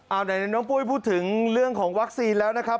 เอาไหนน้องปุ้ยพูดถึงเรื่องของวัคซีนแล้วนะครับ